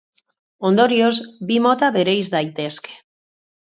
Ondorioz, bi mota bereiz daitezke.